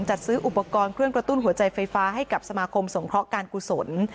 จัดซื้ออุปกรณ์เครื่องกระตุ้นหัวใจไฟฟ้าให้กับสมาคมสงเคราะห์การกุศล